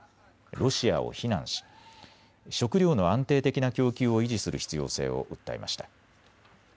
ロシアを非難し食料の安定的な供給を維持する必要性を訴えました。